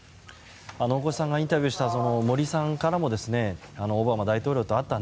大越さんがインタビューした森さんからもオバマ大統領と会った。